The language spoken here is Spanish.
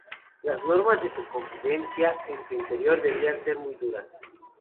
Las normas de convivencia en su interior debían de ser muy duras.